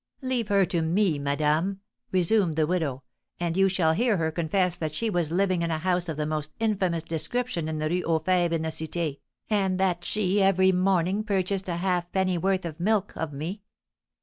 "Leave her to me, madame," resumed the widow, "and you shall hear her confess that she was living in a house of the most infamous description in the Rue aux Fêves in the Cité, and that she every morning purchased a half pennyworth of milk of me.